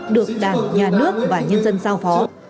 được đảng nhà nước và nhân dân giao phó